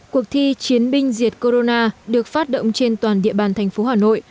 cuộc thi chiến binh diệt corona được phát động trên toàn địa bàn thành phố hà nội